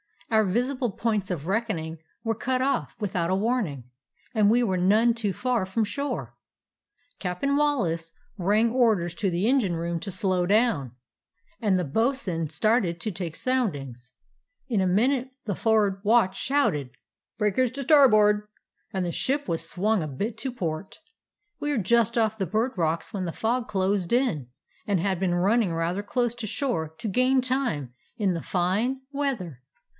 "Our visible points of reckoning were cut off without a warning, and we were none too far from shore. Cap'n Wallace rang or ders to the engine room to slow down, and the bo'sun started to take soundings. In a minute the for'ard watch shouted out, 'Breakers to starboard,' and the ship was swung a bit to port. We were just off the bird rocks when the fog closed in, and had been running rather close to shore to gain time in the fine weather.